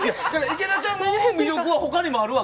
池田ちゃんの思う魅力は他にもあるわけ？